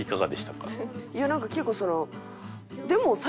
いやなんか結構その。